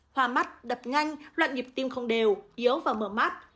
hòa mắt đập nhanh loạn nhịp tim không đều yếu và mờ mắt